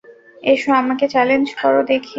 এসো, আমাকে চ্যালেঞ্জ করো দেখি!